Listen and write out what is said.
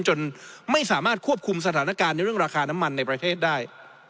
จนไม่สามารถควบคุมสถานการณ์ในเรื่องราคาน้ำมันในประเทศได้